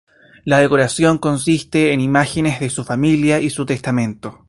La decoración consiste en imágenes de su familia y su testamento.